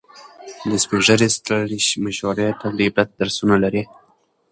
د سپینې ږیرې سړي مشورې تل د عبرت درسونه لري.